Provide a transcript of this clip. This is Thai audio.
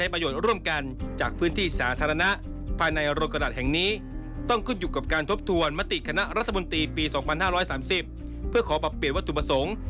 เพื่อขอปรับเปลี่ยนวัตถุประสงค์